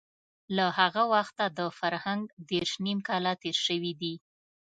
له هغه وخته د فرهنګ دېرش نيم کاله تېر شوي دي.